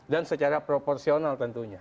dan secara proporsional tentunya